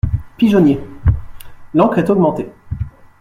Pigeonnier L'encre est augmentée.